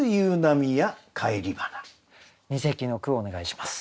二席の句をお願いします。